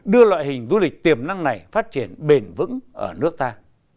đưa loại hình du lịch tiềm năng này phát triển bền vững ở nước ta